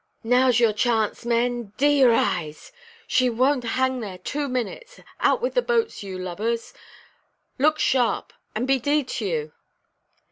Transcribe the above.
"Nowʼs your chance, men. D—n your eyes! She wonʼt hang there two minutes. Out with the boats you—— lubbers. Look sharp, and be d—d to you."